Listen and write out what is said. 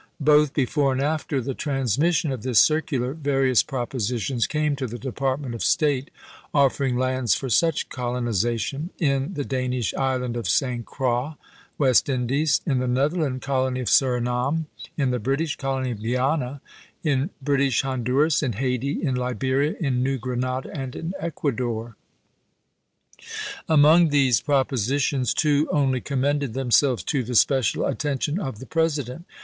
Both before and after the transmission of this circular, various propositions came to the Depart ment of State offering lands for such colonization : in the Danish Island of St. Croix, West Indies ; in the Netherland colony of Surinam ; in the British colony of Guiana ; in British Honduras ; in Hayti ; in Liberia ; in New Granada, and in Ecuador. Among these propositions two only commended themselves to the special attention of the President.